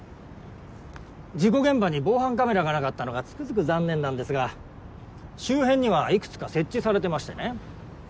事故現場に防犯カメラがなかったのがつくづく残念なんですが周辺にはいくつか設置されてましてね。